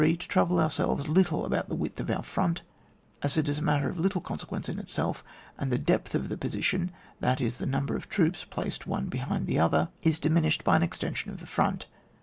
To trouble ourselves little about the width of our front, as it is a matter of little consequence in itself, and the depth of the position (that is the number of troops placed one behind the other) i^ SUMMARY OF mSTRUCTIOK 99 diminished by an extension of the front.